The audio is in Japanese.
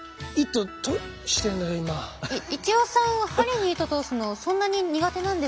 一葉さん針に糸通すのそんなに苦手なんですか？